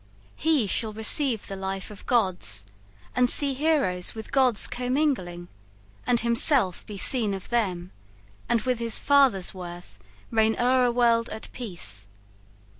He shall receive the life of gods, and see Heroes with gods commingling, and himself Be seen of them, and with his father's worth Reign o'er a world at peace.